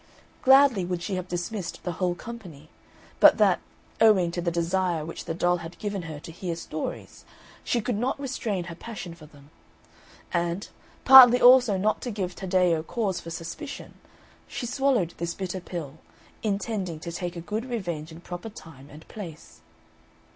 Gladly would she have dismissed the whole company, but that, owing to the desire which the doll had given her to hear stories, she could not restrain her passion for them. And, partly also not to give Taddeo cause for suspicion, she swallowed this bitter pill, intending to take a good revenge in proper time and place.